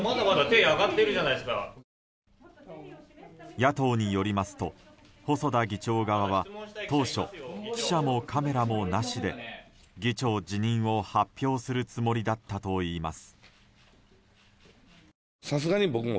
野党によりますと細田議長側は当初記者もカメラもなしで議長辞任を発表するつもりだったといいます。